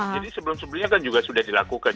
jadi sebelum sebelumnya kan juga sudah dilakukan